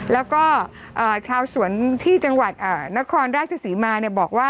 แล้วก็ชาวสวนที่จังหวัดนครราชศรีมาบอกว่า